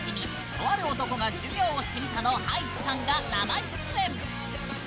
「とある男が授業をしてみた」の葉一さんが生出演！